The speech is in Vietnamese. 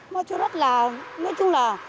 nói chú rất là nói chung là